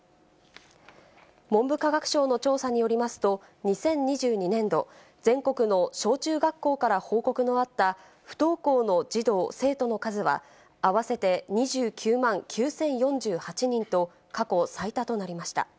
文部科学省の調査によりますと、２０２２年度、全国の小中学校から報告のあった、不登校の児童・生徒の数は、合わせて２９万９０４８人と、過去最多となりました。